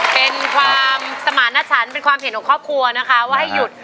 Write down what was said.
เป็นความสมารณชันเป็นความเห็นของครอบครัวนะคะว่าให้หยุด